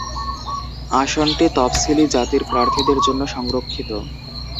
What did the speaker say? আসনটি তফসিলি জাতির প্রার্থীদের জন্য সংরক্ষিত।